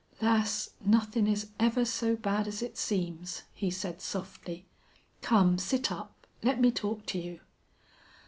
"Lass, nothin' is ever so bad as it seems," he said, softly. "Come, sit up. Let me talk to you."